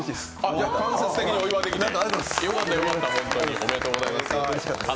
じゃあ、間接的にお祝いできてよかったです。